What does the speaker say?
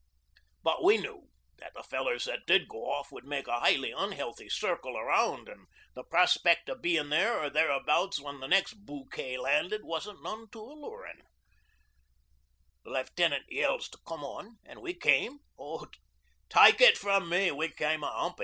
But we knew that the fellers that did go off would make a highly unhealthy circle around an' the prospect o' being there or thereabouts when the next boo kay landed wasn't none too allurin'. The Left'nant yells to come on, an' we came, oh, take it from me, we came a humpin'.